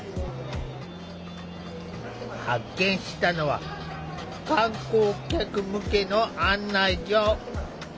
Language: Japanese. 発見したのは観光客向けの案内所。